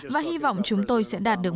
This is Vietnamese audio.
và hy vọng chúng tôi sẽ đạt được